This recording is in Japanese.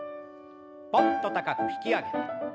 ぽんと高く引き上げて。